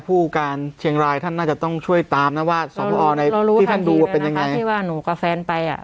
ผู้การเชียงรายท่านน่าจะต้องช่วยตามนะว่าสอบพอในที่ท่านดูว่าเป็นยังไงที่ว่าหนูกับแฟนไปอ่ะ